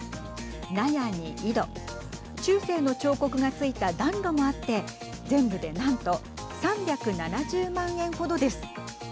納屋に井戸中世の彫刻がついた暖炉もあって全部でなんと３７０万円程です。